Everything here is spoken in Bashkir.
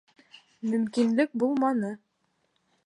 Мөмкинлек булманы.